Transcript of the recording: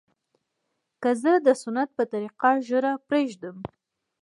که زه د سنت په طريقه ږيره پرېږدم.